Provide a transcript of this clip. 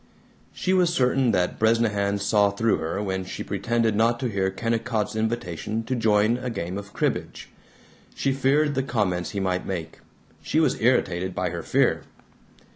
She was certain that Bresnahan saw through her when she pretended not to hear Kennicott's invitation to join a game of cribbage. She feared the comments he might make; she was irritated by her fear.